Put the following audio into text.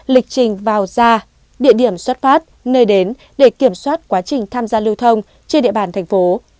lịch trình vào ra địa điểm xuất phát nơi đến để kiểm soát quá trình tham gia lưu thông trên địa bàn thành phố